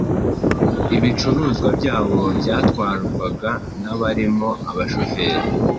Ibicuruzwa byabo byatwarwaga n’abarimo abashoferi